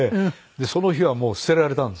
その日はもう捨てられたんです。